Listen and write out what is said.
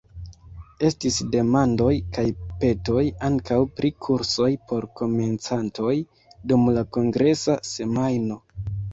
Estis demandoj kaj petoj ankaŭ pri kursoj por komencantoj dum la kongresa semajno.